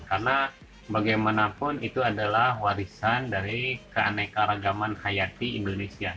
karena bagaimanapun itu adalah warisan dari keanekaragaman hayati indonesia